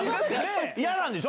嫌なんでしょ？